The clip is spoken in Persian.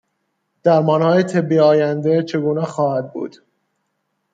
درمانهای طِبی آینده چگونه خواهد بود؟